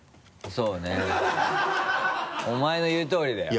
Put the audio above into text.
そうねお前の言うとおりだよ。